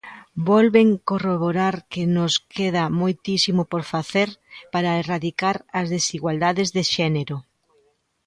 Volven corroborar que nos queda moitísimo por facer para erradicar as desigualdades de xénero.